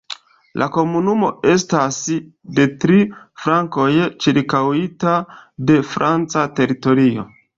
La komunumo estas de tri flankoj ĉirkaŭita de franca teritorio.